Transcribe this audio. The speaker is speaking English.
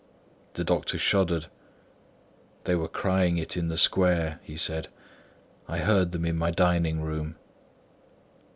The doctor shuddered. "They were crying it in the square," he said. "I heard them in my dining room."